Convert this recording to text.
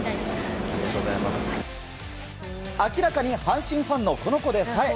明らかに阪神ファンのこの子でさえ。